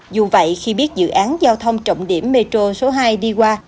dù vậy khi biết dự án giao thông trọng điểm metro số hai đi qua